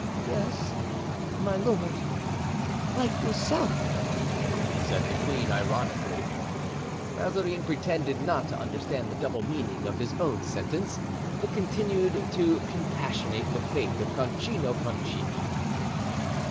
"Yes, my lord, like yourself!" said the queen, ironically. Mazarin pretended not to understand the double meaning of his own sentence, but continued to compassionate the fate of Concino Concini.